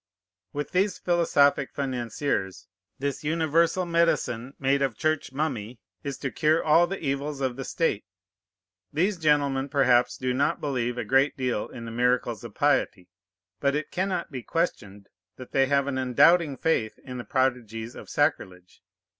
With these philosophic financiers, this universal medicine made of Church mummy is to cure all the evils of the state. These gentlemen perhaps do not believe a great deal in the miracles of piety; but it cannot be questioned that they have an undoubting faith in the prodigies of sacrilege.